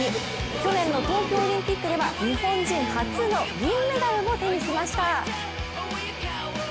去年の東京オリンピックでは日本人初の銀メダルを手にしました。